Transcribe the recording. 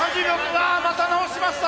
うわまた直しました。